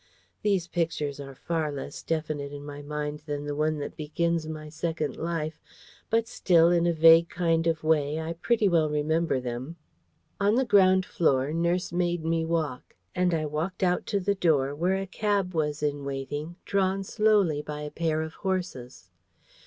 These pictures are far less definite in my mind than the one that begins my second life; but still, in a vague kind of way, I pretty well remember them. On the ground floor, nurse made me walk; and I walked out to the door, where a cab was in waiting, drawn slowly by a pair of horses.